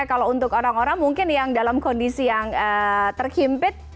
kalau untuk orang orang mungkin yang dalam kondisi yang terhimpit